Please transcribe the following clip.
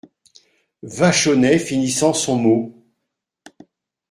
Vachonnet finissant son mot.